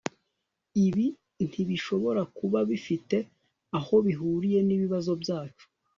ibi ntibishobora kuba bifite aho bihuriye nibibazo byacu